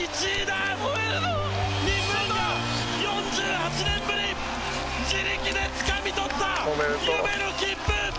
日本が４８年ぶり自力でつかみ取った夢の切符！